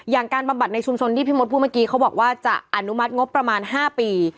การบำบัดในชุมชนที่พี่มดพูดเมื่อกี้เขาบอกว่าจะอนุมัติงบประมาณ๕ปี